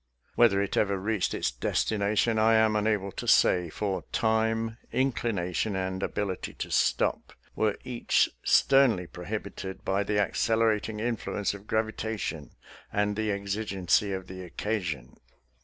Whether it ever reached its destination, I am unable to say, for time, inclination, and ability to stop were each sternly prohibited by the accelerating influence of gravitation, and the exigency of the occasion.